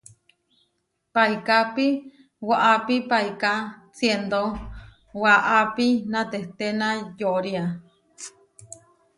Paikápi waʼápi paiká siendó waʼápi natehténayoʼória.